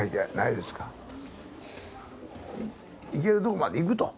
いけるとこまでいくと。